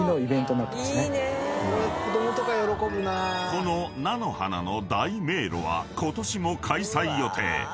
［この菜の花の大迷路はことしも開催予定］